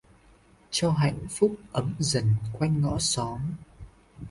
Cho hạnh phúc ấm dần quanh ngõ xóm